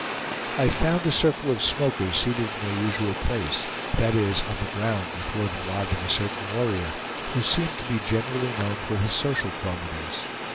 I found a circle of smokers seated in their usual place; that is, on the ground before the lodge of a certain warrior, who seemed to be generally known for his social qualities.